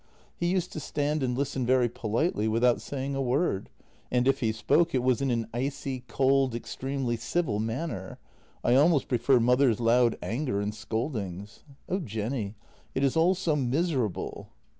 He used to stand and listen very politely without saying a word, and if he spoke, it was in an icy cold, extremely civil manner. I almost prefer mother's loud anger and scoldings. Oh, Jenny, it is all so miserable."